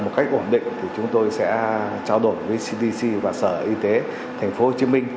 một cách ổn định thì chúng tôi sẽ trao đổi với cdc và sở y tế tp hcm